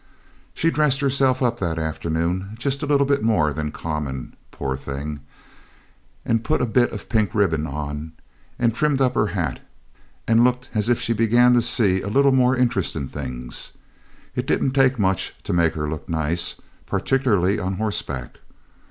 She'd dressed herself up that afternoon just a little bit more than common, poor thing, and put a bit of pink ribbon on and trimmed up her hat, and looked as if she began to see a little more interest in things. It didn't take much to make her look nice, particularly on horseback.